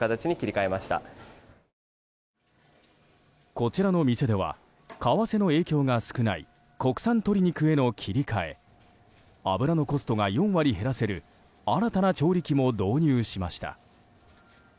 こちらの店では為替の影響が少ない国産鶏肉への切り替え油のコストが４割減らせる新たな調理器も導入しました。